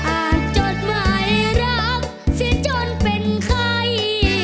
จดหมายรักเสียจนเป็นใคร